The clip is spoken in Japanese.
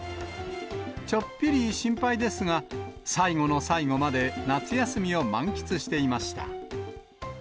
ちょっぴり心配ですが、最後の最後まで夏休みを満喫していました。